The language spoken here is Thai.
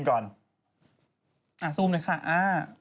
ดูกอ่ะ